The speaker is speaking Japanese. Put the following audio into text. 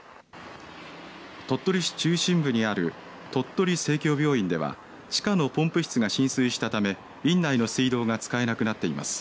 鳥取市中心部にある鳥取生協病院では地下のポンプ室が浸水したため院内の水道が使えなくなっています。